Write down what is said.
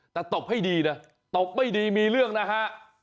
แต่ตบให้ดีนะตบไม่ดีมีเรื่องนะฮะ